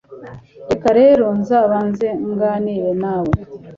reka rero nzabanze nganire na we